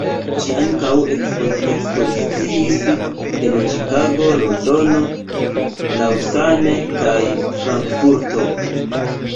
Ŝi ankaŭ ekspoziciis en Ĉikago, Londono, Lausanne, kaj Frankfurto.